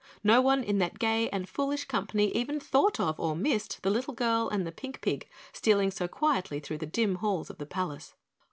No one in that gay and foolish company even thought of or missed the little girl and the pink pig stealing so quietly through the dim halls of the palace.